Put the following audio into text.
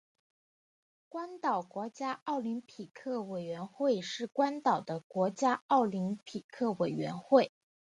关岛国家奥林匹克委员会是关岛的国家奥林匹克委员会。